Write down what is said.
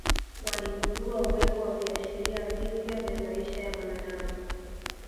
Waligundua uwepo wa viashiria vipya vya maisha ya mwanadamu